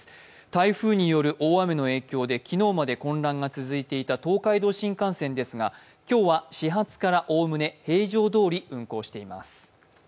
台風による大雨の影響で昨日まで混乱が続いていた東海道新幹線ですが今日は始発からおおむね通常どおり運行しています。